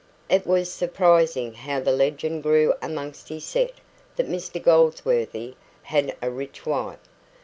It was surprising how the legend grew amongst his set that Mr Goldsworthy had a rich wife.